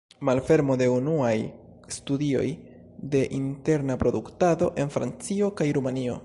Malfermo de unuaj studioj de interna produktado en Francio kaj Rumanio.